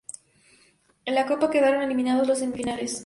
En la Copa quedaron eliminados en semifinales.